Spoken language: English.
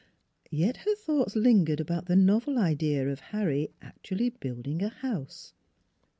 Yet her thoughts lin gered about the novel idea of Harry actually building a house.